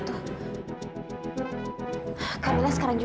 bukat ya voice ukrain